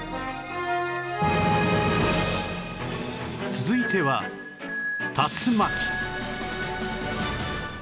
続いては竜巻